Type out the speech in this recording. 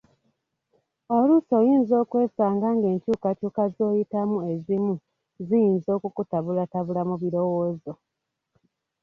Oluusi oyinza okwesanga ng'enkyukakyuka z'oyitamu ezimu ziyinza okukutabulatabula mu birowoozo.